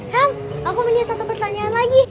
helm aku punya satu pertanyaan lagi